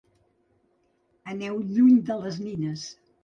Aneu lluny de les nines.